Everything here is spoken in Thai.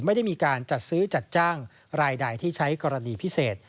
ไม่ได้มีการจัดซื้อจัดจ้างรายใดที่ใช้กรณีพิเศษ